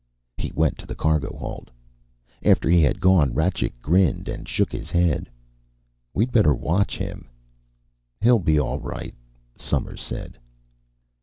He went to the cargo hold. After he had gone, Rajcik grinned and shook his head. "We'd better watch him." "He'll be all right," Somers said.